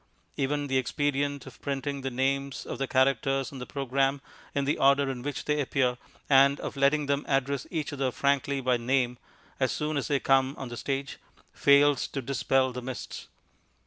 Even the expedient of printing the names of the characters on the programme in the order in which they appear, and of letting them address each other frankly by name as soon as they come on the stage, fails to dispel the mists.